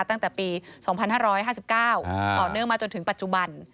ตั้งแต่ปี๒๕๕๙ต่อเนื่องมาจนถึงปัจจุบัน